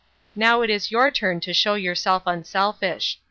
Now it is your turn to show yourself unselfish.